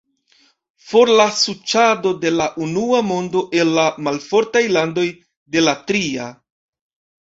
For la suĉado de la unua mondo el la malfortaj landoj de la tria!